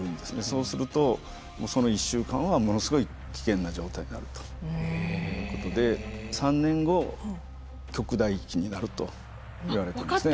そうするとその１週間はものすごい危険な状態になるということで３年後極大期になるといわれています。